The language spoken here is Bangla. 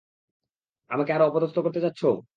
আমাকে আরোও অপদস্ত করতে চাচ্ছো?